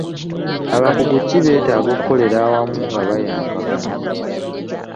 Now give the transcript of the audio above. Abakugu ki beetaaga okukolera awamu nga bayambagana